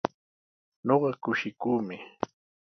Ñuqa kushikuumi.